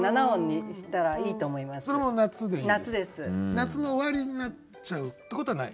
夏の終わりになっちゃうってことはない？